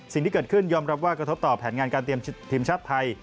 สิ่งที่เกิดขึ้นยอมรับว่ากระทบต่อแผนงานการเตรียมทีมชาติไทย